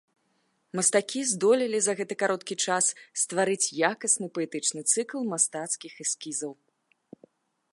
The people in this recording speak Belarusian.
Мастакі здолелі за гэты кароткі час стварыць якасны паэтычны цыкл мастацкіх эскізаў.